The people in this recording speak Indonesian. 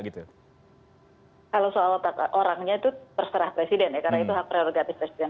kalau soal orangnya itu terserah presiden ya karena itu hak prerogatif presiden